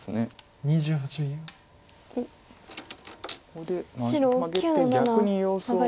ここでマゲて逆に様子を。